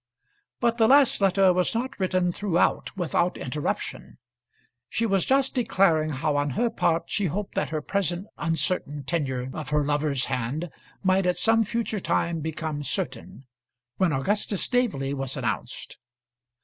But the last letter was not written throughout without interruption. She was just declaring how on her part she hoped that her present uncertain tenure of her lover's hand might at some future time become certain, when Augustus Staveley was announced.